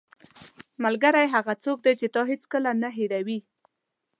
ملګری هغه څوک دی چې تا هیڅکله نه هېروي.